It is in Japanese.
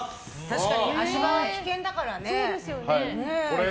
確かに、足場は危険だからね。